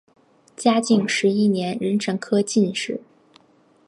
嘉靖十一年壬辰科进士。